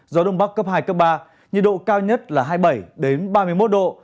gió đông bắc cấp hai cấp ba nhiệt độ cao nhất là hai mươi bảy ba mươi một độ